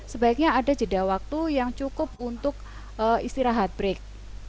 sebaiknya ada jeda waktu yang cukup untuk istirahat break